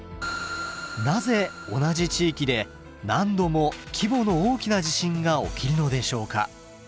なぜ同じ地域で何度も規模の大きな地震が起きるのでしょうか？